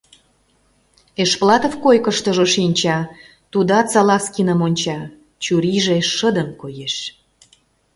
Эшплатов койкыштыжо шинча, тудат Салазкиным онча, чурийже шыдын коеш.